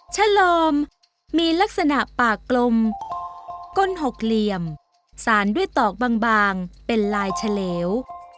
ฉลอมมีลักษณะปากกลมก้นหกเหลี่ยมสารด้วยตอกบางเป็นลายเฉลว